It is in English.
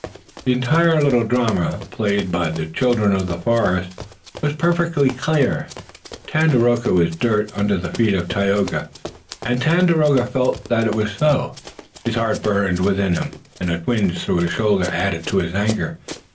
The entire little drama, played by the children of the forest, was perfectly clear. Tandakora was dirt under the feet of Tayoga, and Tandakora felt that it was so. His heart burned within him and a twinge through his shoulder added to his anger.